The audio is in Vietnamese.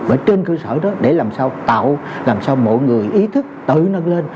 và trên cơ sở đó để làm sao tạo làm sao mọi người ý thức tự nâng lên